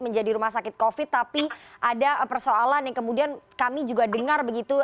menjadi rumah sakit covid tapi ada persoalan yang kemudian kami juga dengar begitu